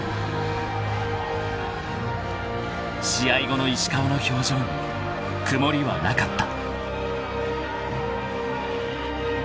［試合後の石川の表情に曇りはなかった］